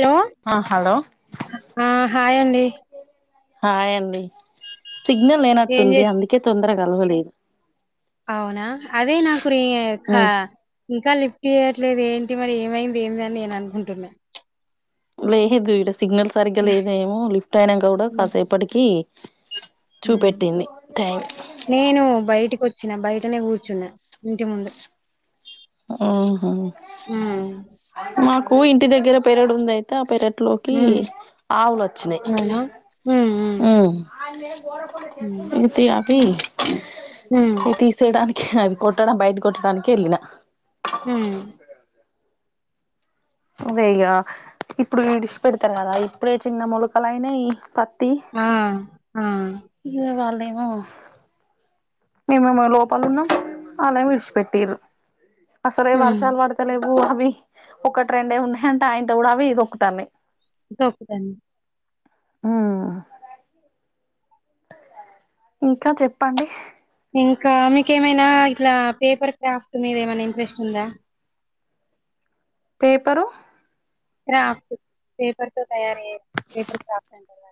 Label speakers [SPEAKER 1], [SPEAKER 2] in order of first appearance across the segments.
[SPEAKER 1] Hello
[SPEAKER 2] ఆ hello
[SPEAKER 1] ఆ hi అండి
[SPEAKER 2] హాయ్ అండి సిగ్నల్
[SPEAKER 1] ఏం
[SPEAKER 2] లేనట్టుంది
[SPEAKER 1] చేస్
[SPEAKER 2] అందుకే తొందరా కలవలేదు
[SPEAKER 1] అవునా అదే నాకు రేఖ ఇంకా లిఫ్ట్ చేయట్లేదు ఏంటి మరి ఏమైంది ఏమి అని నేను అనుకుంటున్నా
[SPEAKER 2] లేదు ఈడ సిగ్నల్ సరిగ్గా లేదేమో లిఫ్ట్ అయిననాంక కూడా
[SPEAKER 1] హ్మ్.
[SPEAKER 2] కాసేపటికి
[SPEAKER 1] హ్మ్.
[SPEAKER 2] చూపెట్టింది టైం
[SPEAKER 1] నేను బయటికి వచ్చిన బయటనే కూర్చున్నా ఇంటి ముందు
[SPEAKER 2] ఆహా
[SPEAKER 1] ఉమ్
[SPEAKER 2] మాకు ఇంటి దగ్గర పేరడు ఉంది అయి తే ఆ పెరట్లోకి
[SPEAKER 1] ఉమ్
[SPEAKER 2] ఆవులు వచ్చినాయి
[SPEAKER 1] ఉమ్మ్ ఉమ్మ్
[SPEAKER 2] ఉమ్ ఇనితే అవి
[SPEAKER 1] ఉమ్
[SPEAKER 2] అవి తి సేడానికి అవి కొట్టడం బయట కొట్టడానికి ఎళ్ళిన
[SPEAKER 1] ఉమ్మ్
[SPEAKER 2] ఒగే ఇగా ఇప్పుడు ఇడిసి పెడతారు కదా ఇప్పుడే చిన్న మొలకలయినాయి పత్తి
[SPEAKER 1] ఆ ఆ
[SPEAKER 2] ఇంగా వాళ్ళేమో మేమేమో లోపల ఉన్నాం అళ్లేమో ఇడిచిపెట్టిర్రు అసలే
[SPEAKER 1] ఉమ్
[SPEAKER 2] వర్షాలు పడు తాలేవు అవి ఒకటి రెండే ఉన్నాయి అంటే ఆయంతా కూడా అవి తొక్కుతన్నాయ్
[SPEAKER 1] తొక్కుతన్నా
[SPEAKER 2] ఆ ఇంకా చెప్పండి
[SPEAKER 1] ఇంకా మీకేమైనా ఇట్లా పేపర్ క్రాఫ్ట్ మీద ఏమన్నా ఇంట్రెస్ట్ ఉందా
[SPEAKER 2] పేపరు
[SPEAKER 1] క్రాఫ్ట్ పేపర్‌తో తయారయ్యే పేపర్ క్రాఫ్ట్ అంటారు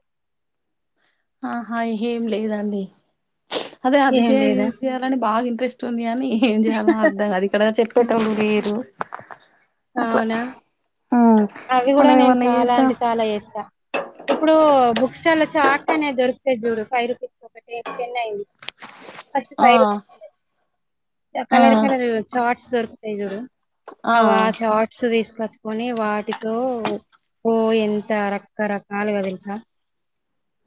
[SPEAKER 2] ఆహా ఏం లేదండి అదే అది
[SPEAKER 1] ఏం
[SPEAKER 2] చేయ ఇది
[SPEAKER 1] లేదా
[SPEAKER 2] చెయ లని బాగా ఇంట్రెస్ట్ ఉంది కాని ఏం చేయాల్నో అర్థం కాదు ఇక్కడ చెప్పేటోళ్లు లేరు అట్లా
[SPEAKER 1] అవునా
[SPEAKER 2] ఉమ్
[SPEAKER 1] అవి కూడా
[SPEAKER 2] మనం
[SPEAKER 1] నేను
[SPEAKER 2] ఏమన్నా
[SPEAKER 1] చాలా
[SPEAKER 2] చేద్దాం
[SPEAKER 1] అంటే చాలా చేస్తా ఇప్పుడు బుక్ స్టాల్లో చార్ట్ అనేది దొరుకుతాది చూడు ఫైవ్ రూపీస్‌కి ఒకటి టెన్ అయింది ఫస్ట్
[SPEAKER 2] ఆ
[SPEAKER 1] ఫైవ్ రూపీస్ ఉండే చ్చ కలర్ కలర్ చార్ట్స్ దొరుకుతాయి చూడు
[SPEAKER 2] ఆ
[SPEAKER 1] అ చార్ట్స్ తీసుకొచ్చుకొని వా టితో ఓ ఎంతా రకరకాలుగా తెలుసా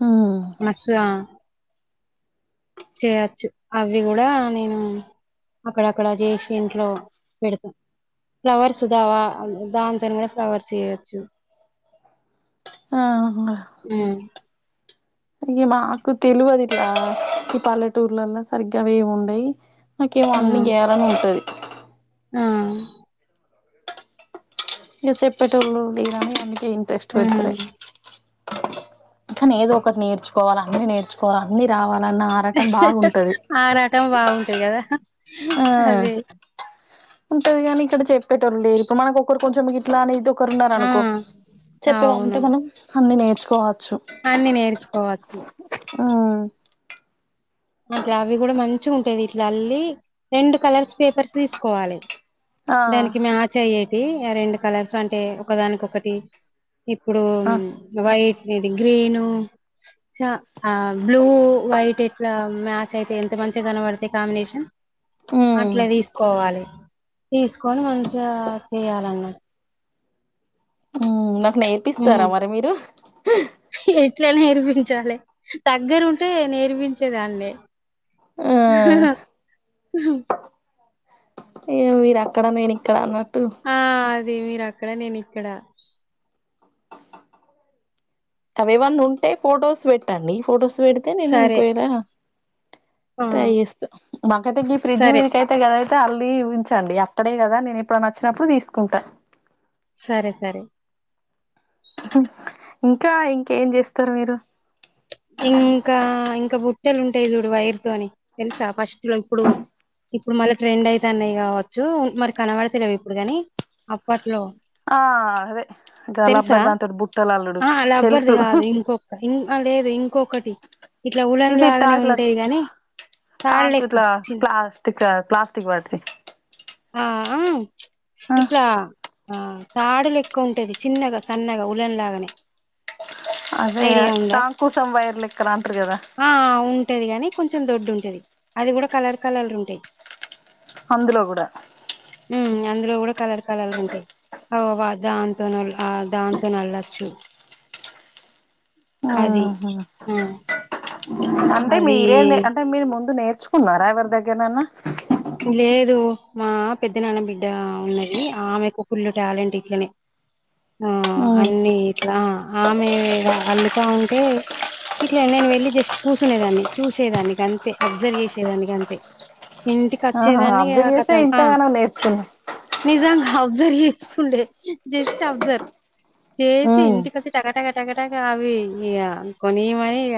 [SPEAKER 2] ఉమ్మ్
[SPEAKER 1] మస్తుగా చేయచ్చు అవి కూడా నేను అక్కడక్కడ చేసి ఇంట్లో పెడతా ఫ్లవర్స్‌ దావా దాంతోనే కూడా ఫ్లవర్స్ చేయొచ్చు
[SPEAKER 2] ఆహా
[SPEAKER 1] ఉమ్మ్
[SPEAKER 2] ఇంగ మాకు తెలువదు ఇట్లా ఈ పల్లెటూర్లలో సరిగ్గా అవేం ఉండయి నాకేమో
[SPEAKER 1] ఆ
[SPEAKER 2] అన్ని గేయ్యాలని ఉంటాది
[SPEAKER 1] ఆ
[SPEAKER 2] ఇకా చెప్పేటళ్లు ఉంది గానీ అందుకే ఇంట్రెస్ట్ పెడతాలే
[SPEAKER 1] హ్మ్
[SPEAKER 2] కానీ ఏదో ఒకటి నేర్చుకోవాలి అన్నీ నేర్చుకోవాలి అన్ని రావాలన్నా అ రాటం బాగుంటది
[SPEAKER 1] ఆ రకం బాగుంటది కదా
[SPEAKER 2] ఆ
[SPEAKER 1] అదే
[SPEAKER 2] ఉంటది కాని ఇక్కడ చెప్పేటోళ్లు ఉండే ఇప్పుడు మన ఒక్కొరు కొంచెం గి ఇలా అనే ఇది ఒకరు ఉన్నారు
[SPEAKER 1] ఆ
[SPEAKER 2] అనుకో చెప్పే
[SPEAKER 1] అవును
[SPEAKER 2] వాళ్ళంటే మనం అన్ని నేర్చుకోవచ్చు
[SPEAKER 1] అన్ని నేర్చుకోవచ్చు
[SPEAKER 2] ఆ
[SPEAKER 1] అట్లా అవి కూడా మంచిగా ఉంటాది ఇట్లా అల్లీ రెండు కలర్స్ పేపర్స్ తీసుకోవాలి
[SPEAKER 2] ఆ
[SPEAKER 1] దానికి మ్యాచ్ అయ్యేటి రెండు కలర్స్ అంటే ఒకదానికి ఒకటి ఇప్పుడు
[SPEAKER 2] ఆ
[SPEAKER 1] వైట్ ఇది గ్రీను చా ఆ బ్లూ వైట్ ఇట్లా మ్యాచ్ అయితే ఎంత మంచి కనపడతా కాంబినేషన్
[SPEAKER 2] ఉమ్
[SPEAKER 1] అట్లే తీసుకోవాలి తీసుకొని మంచిగా చేయాలన్నారు
[SPEAKER 2] ఉమ్ నాకు
[SPEAKER 1] హ్మ్
[SPEAKER 2] నేర్పిస్తారా మరి మీరు
[SPEAKER 1] ఎట్లా నేర్పించాలి దగ్గర ఉంటే నేర్పించేదానే
[SPEAKER 2] ఆ ఇక మీరు అక్కడ నేను ఇక్కడ అన్నట్టు
[SPEAKER 1] ఆ అదే మీరు అక్కడ నేను ఇక్కడ
[SPEAKER 2] అవేవన్న ఉంటే ఫొటోస్ పెట్టండి ఫొటోస్ పెడితే అయితే నేను
[SPEAKER 1] సరే
[SPEAKER 2] ఒకవేళ
[SPEAKER 1] ఆ
[SPEAKER 2] ట్రై చేస్తాను నాకైతే ఈ ఫ్రిడ్జ్
[SPEAKER 1] సరే
[SPEAKER 2] మీదకే అకద అయితే అల్ కి ఉంచండి అక్కడే కదా నేను ఇప్పుడనా వచ్చినప్పుడు తీసుకుంటా
[SPEAKER 1] సరే సరే
[SPEAKER 2] ఇంకా ఇంకేం చేస్తారు మీరు
[SPEAKER 1] ఇంకా ఇంక బుట్టెలు ఉంటాయి చూడు వైరుతొని తెలుసా ఫస్ట్ లో ఇప్పుడు ఇప్పుడు మళ్ళీ ట్రెండ్ అయితున్నాయి కావచ్చు మరి కనబడతలేవు ఇప్పుడు కాని అప్పట్లో
[SPEAKER 2] ఆ అదే గా
[SPEAKER 1] తెలుసా
[SPEAKER 2] లబ్బర్ దాంతోన్ బు
[SPEAKER 1] ఆ అలా రబ్బర్ది కాదు ఇంకొక ఇంకా లేదు ఇంకొకటి ఇట్లా ఉలన్ లాగానే ఉంటాయి గాని తాళ్ళ
[SPEAKER 2] తకు
[SPEAKER 1] లెక్క
[SPEAKER 2] ఇట్లా
[SPEAKER 1] చి
[SPEAKER 2] ప్లాస్టిక్ ప్లాస్టిక్ వాటిది
[SPEAKER 1] ఆ ఉ
[SPEAKER 2] ఆ
[SPEAKER 1] ఇట్లా ఆ తాడు లెక్క ఉంటాది చిన్నగా సన్నగా ఉల్లన్ లాగానే
[SPEAKER 2] అదే
[SPEAKER 1] ఐడియా ఉందా
[SPEAKER 2] టంకుసం వైర్ లెక్కర్ అంటారు కదా
[SPEAKER 1] ఆ ఉంటది గానీ కొంచెం దొడ్డు ఉంటుది అది కూడా కలర్ కలర్ ఉంటాది
[SPEAKER 2] అందులో కూడా
[SPEAKER 1] ఉమ్ అందులో కూడా కలర్ కలర్ ఉంటాయి ఓ ఆ దాంతో న ఆ దాంతో న అళ్ళొచ్చు అది
[SPEAKER 2] ఆహా
[SPEAKER 1] ఆ
[SPEAKER 2] అంటే
[SPEAKER 1] అది
[SPEAKER 2] మీరే అంటే మీరు ముందు నేర్చుకున్నారా ఎవరి దగ్గరనన్నా
[SPEAKER 1] లేదు మా పెద్ద నాన్న బిడ్డ ఉన్నది ఆమెకు ఫుల్ టాలెంట్ ఇట్లనే ఆ అన్ని ఇట్లా ఆమె అల్లుతా ఉంటే ఇట్లా నేను వెళ్లి జస్ట్ కూసునే దాన్ని చూసేదాని గంతే అబ్జర్వ్ చేసేదానికి అంతే ఇంటికి
[SPEAKER 2] ఆహా
[SPEAKER 1] వచ్చేదాన్ని ఇగ
[SPEAKER 2] అబ్జర్వ్ చేస్తే
[SPEAKER 1] కతం ఆ
[SPEAKER 2] ఇంతగానం నేర్చుకున్నా
[SPEAKER 1] నిజంగా అబ్జర్వ్ చేస్తూ ఉండే జస్ట్ అబ్జర్వ్ చేసి ఇంటికొచ్చి టకా టకా టకా టాక అవి ఇ కొని మరి ఇగ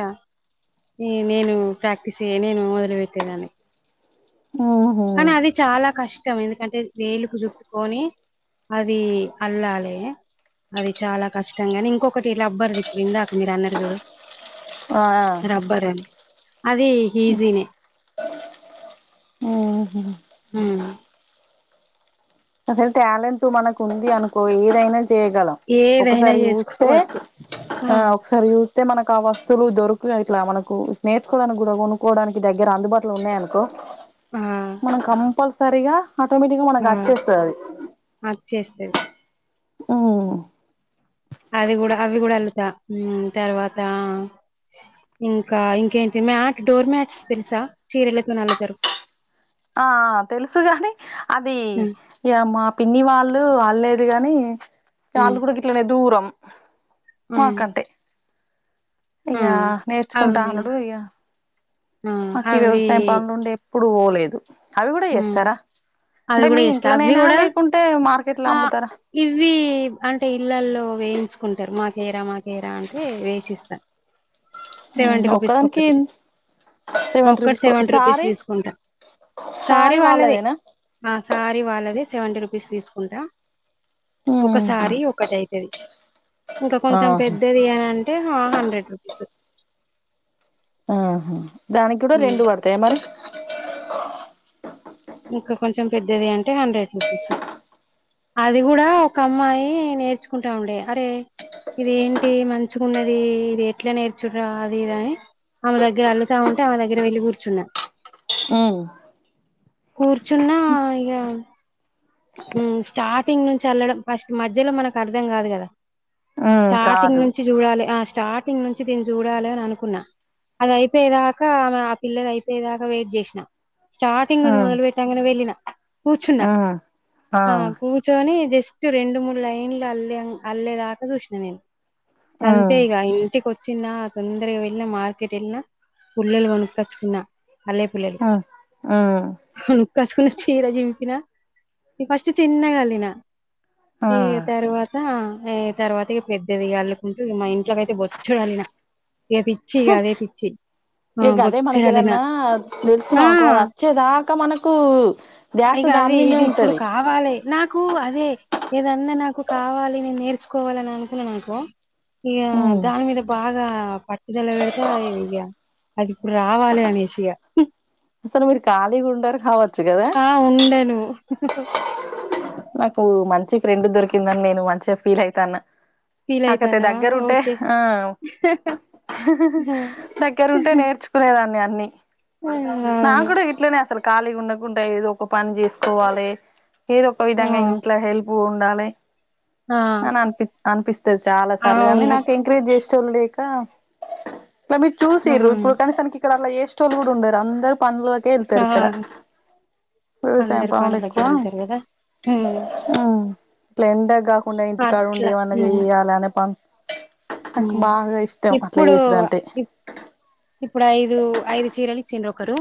[SPEAKER 1] ఈ నేను ప్రాక్టీస్య నేను మొదలు పెట్టేదాన్ని
[SPEAKER 2] ఉహు
[SPEAKER 1] కానీ అది చాలా కష్టం ఎందుకంటే వేలుకు చుట్టుకొని అది అల్లాలే అది చాలా కష్టంగాని ఇంకొకటి ఇలా లబ్బర్ది ఇప్పుడు ఇందాక మీరు అన్నారు చూడు
[SPEAKER 2] ఆ
[SPEAKER 1] రబ్బరా అది ఈజీనే
[SPEAKER 2] ఉహు
[SPEAKER 1] ఉ
[SPEAKER 2] అస్సలు టాలెంట్ మనకు ఉంది అనుకో ఏదైనా చేయగలం
[SPEAKER 1] ఏదైనా
[SPEAKER 2] ఒకసారి ఊస్తే
[SPEAKER 1] చేసుకోవచ్చు
[SPEAKER 2] ఆ ఒకసారి ఉ తే మనకు ఆ వస్తువులు దొరకు ఇట్లా మనకు నేర్చుకోవడానికి కూడా కొనుక్కోవడానికి దగ్గర అందుబాటులో ఉన్నాయనుకో
[SPEAKER 1] ఆ
[SPEAKER 2] మనం కంపల్సరిగా ఆటోమేటిగ
[SPEAKER 1] ఆ అది చేస్తారు
[SPEAKER 2] ఉ
[SPEAKER 1] అది కూడా అవి కూడా ఎల్తా ఉ తర్వాత ఇంకా ఇంకేంటి మ్యాట్ డోర్ మ్యాట్స్ తెలుసా చీరలతోని అల్లుతారు
[SPEAKER 2] ఆ తెలుసుగాని అది
[SPEAKER 1] మ్మ్
[SPEAKER 2] ఇగ మా పిన్ని వాళ్ళు అల్లేదు గాని
[SPEAKER 1] మ్మ్
[SPEAKER 2] వాళ్ళు కూడా ఇట్లనే దూరం
[SPEAKER 1] మ్మ్
[SPEAKER 2] మాకంటే ఇగా
[SPEAKER 1] మ్మ్
[SPEAKER 2] నేర్చుకుంటా
[SPEAKER 1] అవి
[SPEAKER 2] అనడు ఇక
[SPEAKER 1] ఆ
[SPEAKER 2] మాకు ఈ
[SPEAKER 1] అవి
[SPEAKER 2] వ్యవసాయం పనులు ఉండే ఇప్పుడు పోలేదు అవి కూడా
[SPEAKER 1] మ్మ్
[SPEAKER 2] చేస్తారా
[SPEAKER 1] అవి
[SPEAKER 2] అంటే
[SPEAKER 1] కూడా
[SPEAKER 2] మీ
[SPEAKER 1] చేస్తా అవి
[SPEAKER 2] ఇంట్లోనేనా
[SPEAKER 1] కూడా
[SPEAKER 2] లేకున్ టే మార్కెట్లో
[SPEAKER 1] ఆ
[SPEAKER 2] అమ్ముతారా
[SPEAKER 1] ఇవి అంటే ఇళ్లల్లో వేయించుకుంటరు మాకేరా మాకేరా అంటే వేసిస్తా సెవెంటీ రుపీస్కి
[SPEAKER 2] ఒక్కదానికి
[SPEAKER 1] ఒక్కటి
[SPEAKER 2] సెవెంటీ
[SPEAKER 1] ఒక్కటి
[SPEAKER 2] రూపీస్
[SPEAKER 1] సెవెంటి రూపీస్
[SPEAKER 2] సారీ
[SPEAKER 1] తీసుకుంటా సారీ వాళ్ళదే ఆ శారీ వాళ్ళది సెవెంటీ రూపీస్ తీసుకుంటా ఒకసారీ ఒకటైతది ఇంకా కొంచెం
[SPEAKER 2] ఆహా
[SPEAKER 1] పెద్దది అని అంటే హండ్రెడ్ రూపీస్
[SPEAKER 2] ఆహ దానికి కూడా
[SPEAKER 1] ఉమ్.
[SPEAKER 2] రెండు వడతాయ మరి
[SPEAKER 1] ఇంకా కొంచెం పెద్దది అంటే హండ్రెడ్ రూపీస్ అది కూడా ఒక అమ్మాయి నేర్చుకుంటా ఉండే అరే ఇది ఏంటి మంచిగా ఉన్నది ఇది ఎట్లా నేర్చుడురా అది ఇది అని ఆమె దగ్గర అల్లుతా ఉంటే ఆమె దగ్గర వెళ్లి కూర్చున్న
[SPEAKER 2] ఉ
[SPEAKER 1] కూర్చున్నా ఇగ ఉ స్టార్టింగ్ నుంచి అల్లడం ఫస్ట్ మధ్యలో మనకు అర్ధం కాదు కదా స్టార్టింగ్
[SPEAKER 2] కాదు
[SPEAKER 1] నుంచి చూడాలి ఆ స్టార్టింగ్ నుంచి దిన్ని చూడాలి అని అనుకున్నా అది అయిపోయేదాకా ఆమె ఆ పిల్లలు అయిపోయేదాకా వెయిట్ చేసినా స్టార్ట్ టింగ్ మొదలు పెట్టినాక వెళ్ళిన కూచున్న ఆ కూ చోని జస్ట్ రెండు మూడు లైన్లు అల్లే అల్లేదాకా చూసినాను నేను
[SPEAKER 2] ఆ
[SPEAKER 1] గంతే ఇగ ఇంటికి చిన్న తొందరగా వెళ్ళిన మార్కెట్ వెళ్ళిన పుల్లలు కొనుక్కొచ్చుకున్నా అల్లె పుల్లె
[SPEAKER 2] ఉ
[SPEAKER 1] కొనుక్కోచుకున్న చీర చింపిన ఫస్ట్ చిన్నగల్లిన
[SPEAKER 2] ఆ
[SPEAKER 1] ఏ తరువా త ఏ తర్వాత ఇగ పెద్దది అల్లుకుంటూ మా ఇంట్లోకి అయితే బొచ్చుడల్లిన ఏది
[SPEAKER 2] ఇగ గదే
[SPEAKER 1] బొచ్చడలిన
[SPEAKER 2] మనకేదన్నా
[SPEAKER 1] ఆ
[SPEAKER 2] తెల్సుకున్నామనుకో అద్ అ చ్చేదాకా మనకూ
[SPEAKER 1] ఇగ అది ఇది ఇప్పుడు కావాలె నాకు అదే ఏదన్న నాకు కావాలి నేన్ నేర్చుకోవాలన్ అనుకున్న అనుకో ఇగా
[SPEAKER 2] హ్మ్
[SPEAKER 1] దాని మీద బాగా పట్ టుదల పెడితే అయి అది ఇప్పుడ్ రావాలి అనేసిగా
[SPEAKER 2] అసల్ మీరు ఖాళీగుండర్ కావచ్చు గదా
[SPEAKER 1] ఆ ఉండను.
[SPEAKER 2] నాకు మంచి ఫ్రెండ్ దొరికిందన్ నేను మంచిగా ఫీల్ అయితాన్న.
[SPEAKER 1] ఫీల్
[SPEAKER 2] నాకైతే
[SPEAKER 1] అయితాన్నవా
[SPEAKER 2] దగ్గరుంటే
[SPEAKER 1] ఓకే
[SPEAKER 2] ఆ దగ్గరంటే నేర్చ్ కునేదాన్ని అన్ని నాక్
[SPEAKER 1] అవును
[SPEAKER 2] కూడా ఇట్లనే అసల్ ఖాళీగుండకుంట ఏదో ఒక పన్ చేస్కోవాలే ఏదో ఒక
[SPEAKER 1] ఆ
[SPEAKER 2] విధంగా ఇంట్ల హెల్ప్ ఉండాలె. అన్
[SPEAKER 1] ఆ
[SPEAKER 2] అన్పిస్ అనిపిస్తది చాలా సార్లుగని
[SPEAKER 1] అవును
[SPEAKER 2] నాక్ ఎంకరేజ్ జేసేటోళ్ళు లేక మర్ మీర్ చూసిరు ఇప్పుడు కని తనకిక్కడ అట్ల చే సేటోళ్ళు గుడ ఉండర్ అందర్ పన్లోకే
[SPEAKER 1] ఆ ఆ
[SPEAKER 2] ఎళ్తర్ ఇక్కడ వ్యవసాయం
[SPEAKER 1] అందరు
[SPEAKER 2] పనుల్ ఎక్కువ
[SPEAKER 1] పనులకెళ్తారు కదా ఉమ్
[SPEAKER 2] ఇట్ల ఎండక్ కాకుండా ఇంటికాడుండి
[SPEAKER 1] అట్లా
[SPEAKER 2] ఏమన్న
[SPEAKER 1] ఉమ్
[SPEAKER 2] చెయ్యాలనే పన్ నాకు
[SPEAKER 1] ఉమ్
[SPEAKER 2] బాగా ఇష్టం అట్ల చేసుడంటే
[SPEAKER 1] ఇప్పుడ్ ఐదు ఐదు చీరల్ ఇచ్చింర్ ఒకరు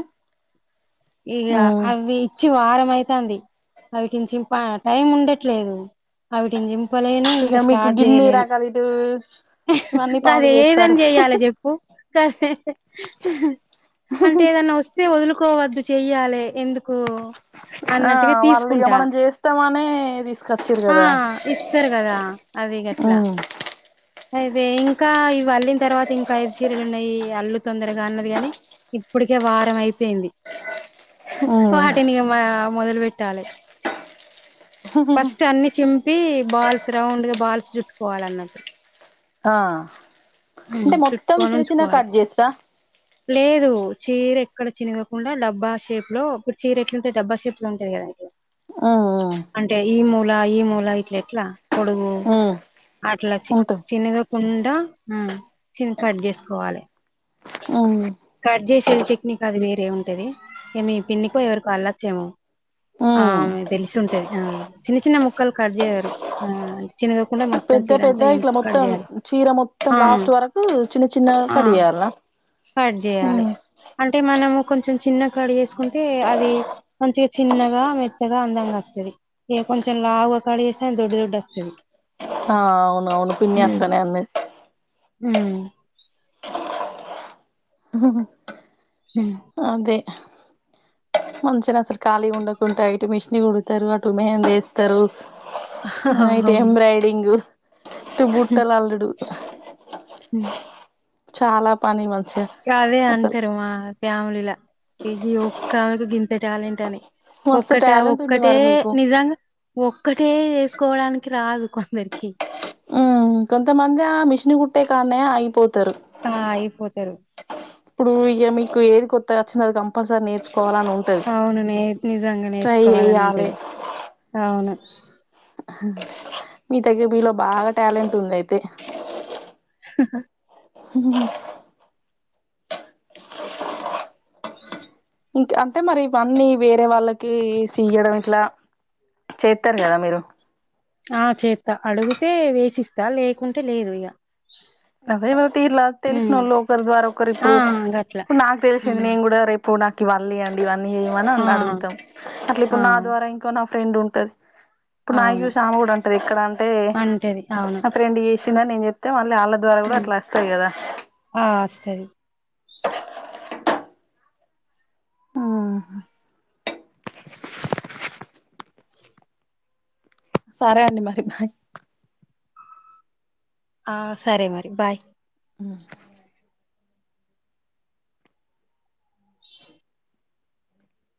[SPEAKER 1] ఇగ
[SPEAKER 2] ఉమ్
[SPEAKER 1] అవి ఇచ్ చి వారం అయి తాంది అవీటిన్ చచింపా టైం ఉండట్లేదు అవీటిన్ చిం ప లేను ఇంకా స్టార్ట్ చేయలేను.
[SPEAKER 2] ఊ
[SPEAKER 1] గాదు ఏదన్ చెయ్యాలె జెప్పు అంటే ఏదన్నా వస్తే వదులుకోవద్దు చెయ్యాలే ఎందుకో
[SPEAKER 2] ఆ
[SPEAKER 1] అన్నట్టుగా
[SPEAKER 2] వాళ్ళు ఇగ
[SPEAKER 1] తీస్కుంట
[SPEAKER 2] మనం చేస్తామనే తీసుకొచ్చిర్రు
[SPEAKER 1] ఆ
[SPEAKER 2] కదా
[SPEAKER 1] ఇస్తర్ గదా అవి గట్లా
[SPEAKER 2] ఉమ్
[SPEAKER 1] అయితే ఇంకా ఇవళ్లిన్ తర్వాత ఇంక ఐదు చీరలున్నయి అల్లు తొందర్గ అన్నది గని ఇప్పటికే వారం అయిపోయింది.
[SPEAKER 2] ఉమ్
[SPEAKER 1] వాటిని ఇగ మా మొదల్ పెట్టాలె ఫస్ట్ అన్ని చింపి బాల్స్ రౌండ్గ బాల్స్ జుట్టుకోవాలన్నట్టు.
[SPEAKER 2] ఆ అంటే మొత్తం
[SPEAKER 1] చుట్టుకొని
[SPEAKER 2] చిన్న చిన్న
[SPEAKER 1] ఉంచుకోవాలి
[SPEAKER 2] కట్ చేసుడ
[SPEAKER 1] లేదు చీర ఎక్కడ చినగకుండా డబ్బా షేప్లో ఇప్పుడ్ చీర ఎట్లుంటద్ డబ్బా షేప్లో ఉంటది గదా అంటే ఈ మూల ఈ మూల ఇట్లెట్లా పొడుగు అట్ల చి
[SPEAKER 2] ఉంటాయి
[SPEAKER 1] చినగకుండ చిన్ కట్ జేస్కోవాలె. కట్ జేసేది టెక్నిక్ అది వేరే ఉంటది. ఏ మీ పిన్నికో ఎవరికో అళ్ళచ్చేమో ఆమె తెలిసి ఉంటది ఆ చిన్న చిన్న ముక్కల్ కట్ జేయరు ఆ చిన్న కుంటే మొత్తం
[SPEAKER 2] పెద్ద
[SPEAKER 1] చీరంత
[SPEAKER 2] పెద్ద
[SPEAKER 1] ఏం
[SPEAKER 2] ఇట్లా
[SPEAKER 1] కట్
[SPEAKER 2] మొత్తం
[SPEAKER 1] చేయాలి.
[SPEAKER 2] చీర మొత్తం
[SPEAKER 1] ఆ
[SPEAKER 2] లాస్ట్ వరకు చిన్న చిన్నగ
[SPEAKER 1] ఆ
[SPEAKER 2] కట్ చేయాల్న
[SPEAKER 1] కట్ జేయాలె అంటే మనము కొంచం చిన్నగ కట్ చేస్కుంటే అది మంచిగ చిన్నగా, మెత్తగా అందంగస్తది. ఇగ కొంచం లావుగ కట్ చేసిన అది దొడ్డు దొడ్డు అస్తది.
[SPEAKER 2] ఆ అవునవును పిన్ని అట్లనే అన్నది.
[SPEAKER 1] హమ్
[SPEAKER 2] ఆ
[SPEAKER 1] హ
[SPEAKER 2] అదే మంచిగరాస్తరు కాళీ ఉండకుంట యిటు మిష్ని కుడతరు అటు మెహందీ యేస్తరు ఆ ఇటు
[SPEAKER 1] అవును
[SPEAKER 2] ఎబ్రయిడింగ్ ఇటు బుట్టలల్లుడు
[SPEAKER 1] హ
[SPEAKER 2] చాలా పని మంచ్
[SPEAKER 1] గదే అంటరు మా ఫ్యామిలీలా ఇ గి ఒక్కమెకు గింత టాలెంట్ అని
[SPEAKER 2] మస్తు
[SPEAKER 1] ఒక్కట
[SPEAKER 2] టాలెంట్ ఉంది
[SPEAKER 1] ఒక్కటే
[SPEAKER 2] మరి మీకు
[SPEAKER 1] నిజంగా ఒక్కటే చేసుకోవడానికి రాదు కొందరికి
[SPEAKER 2] ఉమ్ కొంతమంద మిషన్ కుట్టే కానే ఆగిపోతరు
[SPEAKER 1] ఆ అయిపోతరు
[SPEAKER 2] ఇప్పుడు ఇగ మీకు ఏది కొత్తగా వచ్చిందో అది కంపల్సరీ నేర్చుకోవాలని ఉన్
[SPEAKER 1] అవును నే నిజంగా నేర్చుకోవాలని
[SPEAKER 2] చేయాలి
[SPEAKER 1] ఉంటది అవును
[SPEAKER 2] మీ తగ మీలో బాగా టాలెంట్ ఉందయితే హ ఇంకా అంటే మరి ఇవన్నీ వేరే వాళ్ళకి సెయ్యడం ఇట్లా చేతరు కదా మీరు
[SPEAKER 1] ఆ చేత అడుగితే వేసిస్తా లేకుంటే లేరు ఇగ
[SPEAKER 2] అవేవవ్ తీర్లా
[SPEAKER 1] ఉమ్
[SPEAKER 2] తెల్సినోళ్ళు ఒకర్ ద్వారా
[SPEAKER 1] ఆ
[SPEAKER 2] ఒకరిప్పుడు
[SPEAKER 1] గట్లా
[SPEAKER 2] ఇప్పుడు నాక్ తెల్సింది
[SPEAKER 1] హ్మ్
[SPEAKER 2] నేన్ కూడా రే ఇప్పుడు నాకు ఇవళీయంండి ఇవన్నీ ఇవని
[SPEAKER 1] ఆ
[SPEAKER 2] అడుగుతాం అట్లా
[SPEAKER 1] ఆ
[SPEAKER 2] ఇప్పుడు నా ద్వారా ఇం ఇక్కడ నా ఫ్రెండ్ ఉంటది ఇప్పుడు
[SPEAKER 1] అవును
[SPEAKER 2] నాయ్చూసి ఆమ్ కూడా అంటది ఎక్కడ అంటే
[SPEAKER 1] అంటది అవును
[SPEAKER 2] ఫ్రెండ్ చేసిందన్ నేన్ చెప్తే మళ్ళీ వాళ్ళ ద్వారా కూడా
[SPEAKER 1] హ్మ్
[SPEAKER 2] అట్ల అస్తాయ్ కదా
[SPEAKER 1] ఆ వస్తయ్
[SPEAKER 2] హ్మ్ సరే అండి మరి బాయ్
[SPEAKER 1] ఆ సరే మరి బాయ్
[SPEAKER 2] ఆ